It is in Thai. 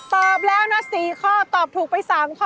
ตอบแล้วนะ๔ข้อตอบถูกไป๓ข้อ